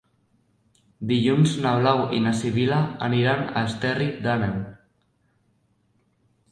Dilluns na Blau i na Sibil·la aniran a Esterri d'Àneu.